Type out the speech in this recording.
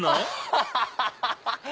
アハハハハ！